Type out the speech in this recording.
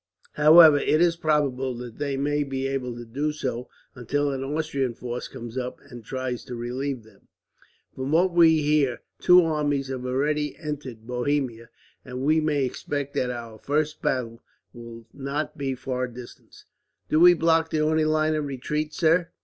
However, it is probable that they may be able to do so until an Austrian force comes up, and tries to relieve them. "From what we hear, two armies have already entered Bohemia, and we may expect that our first battle will not be far distant." "Do we block the only line of retreat, sir?"